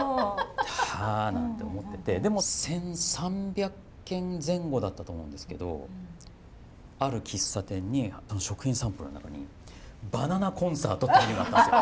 「あ」なんて思ってて１，３００軒前後だったと思うんですけどある喫茶店にその食品サンプルの中にバナナコンサートってメニューがあったんですよ。